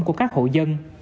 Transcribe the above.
của các hội